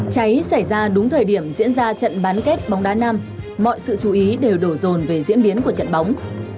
cháy xảy ra đúng thời điểm diễn ra trận bán kết bóng đá nam mọi sự chú ý đều đổ rồn về diễn biến của trận bóng